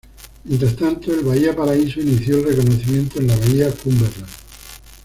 Mientras tanto el Bahía Paraíso inició el reconocimiento en la bahía Cumberland.